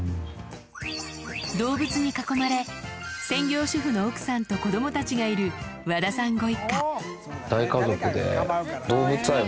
動物に囲まれ専業主婦の奥さんと子供たちがいる和田さんご一家大家族で。